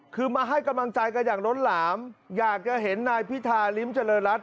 คือมาให้กำลังใจกันอย่างล้นหลามอยากจะเห็นนายพิธาริมเจริญรัฐ